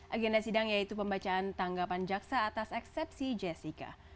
agenda sidang yaitu pembacaan tanggapan jaksa atas eksepsi jessica